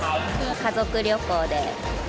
家族旅行で。